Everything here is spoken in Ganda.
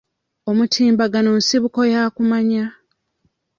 Omutimbagano nsibuko ya kumanya.